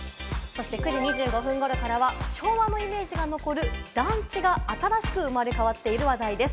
９時２５分頃からは、昭和のイメージが残る団地が新しく生まれ変わっている話題です。